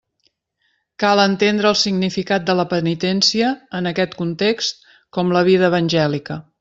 Cal entendre el significat de la penitència, en aquest context, com la vida evangèlica.